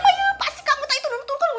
kamu pasti kamu nunggu nunggu tuh tuh tuh